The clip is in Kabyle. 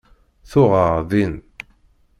Tuɣ-aɣ din.